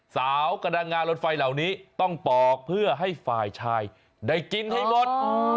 สาวกำลังงานรถไฟเหล่านี้ต้องปอกเพื่อให้ฝ่ายชายได้กินให้หมด